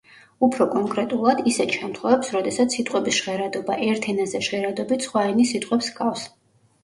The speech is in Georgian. უფრო კონკრეტულად, ისეთ შემთხვევებს, როდესაც სიტყვების ჟღერადობა ერთ ენაზე ჟღერადობით სხვა ენის სიტყვებს ჰგავს.